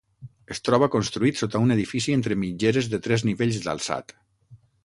Es troba construït sota un edifici entre mitgeres de tres nivells d'alçat.